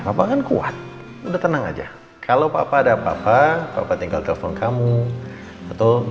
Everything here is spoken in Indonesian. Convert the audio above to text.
bapak kan kuat udah tenang aja kalau papa ada apa apa tinggal telepon kamu atau